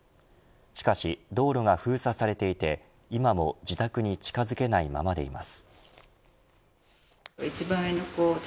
しかし、道路が封鎖されていて今も自宅に近づけないままでいます。